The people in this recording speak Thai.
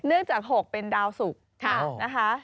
เนื่องจากหกเป็นดาวสุกนะคะ